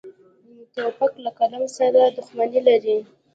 توپک له قلم سره دښمني لري.